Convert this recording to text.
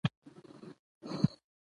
د ټکنالوژی راتلونکی د ځوانانو په لاس کي دی.